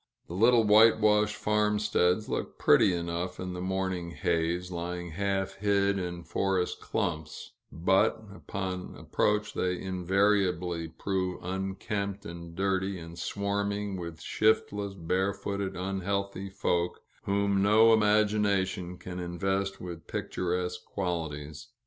The little whitewashed farmsteads look pretty enough in the morning haze, lying half hid in forest clumps; but upon approach they invariably prove unkempt and dirty, and swarming with shiftless, barefooted, unhealthy folk, whom no imagination can invest with picturesque qualities.